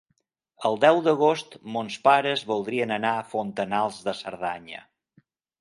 El deu d'agost mons pares voldrien anar a Fontanals de Cerdanya.